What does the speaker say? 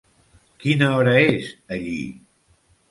Quina hora és allí?